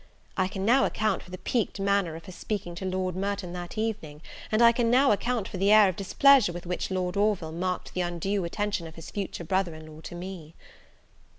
I can now account for the piqued manner of her speaking to Lord Merton that evening, and I can now account for the air of displeasure with which Lord Orville marked the undue attention of his future brother in law to me.